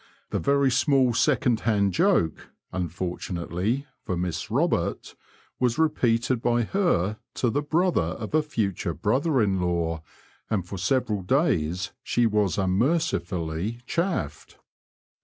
The very «nall second hand joke, unfortunately for ''Miss Robert," was repeated by her to the brother of a future brother in laWi and for several days she was unmercifully chaffed.